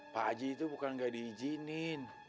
pak haji itu bukan nggak diizinin